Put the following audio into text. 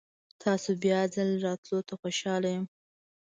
تاسو بیا ځل راتلو ته خوشحال یم.